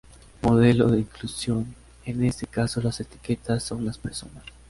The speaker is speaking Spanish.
Modelo de inclusión: En este caso las etiquetas son las personas.